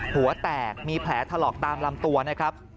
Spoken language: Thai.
หัวแตกมีแผลถลอกตามลำตัวนะครับ